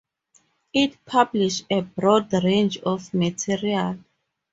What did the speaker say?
It published a broad range of material.